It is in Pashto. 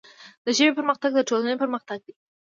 د ژبې پرمختګ د ټولنې پرمختګ دی.